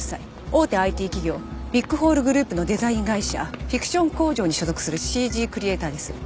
大手ＩＴ企業ビッグホールグループのデザイン会社フィクション工場に所属するＣＧクリエーターです。